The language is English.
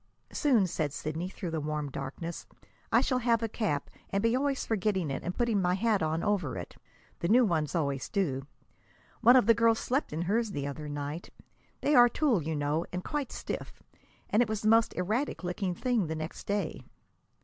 "Soon," said Sidney, through the warm darkness, "I shall have a cap, and be always forgetting it and putting my hat on over it the new ones always do. One of the girls slept in hers the other night! They are tulle, you know, and quite stiff, and it was the most erratic looking thing the next day!"